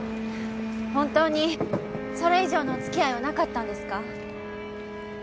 本当にそれ以上のお付き合いはなかったんですか？